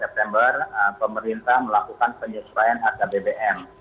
september pemerintah melakukan penyesuaian harga bbm